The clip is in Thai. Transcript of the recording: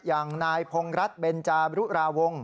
อย่างนายพงรัฐเบนจาบรุราวงศ